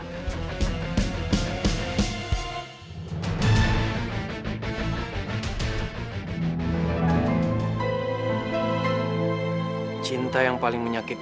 ketika lo sudah menangis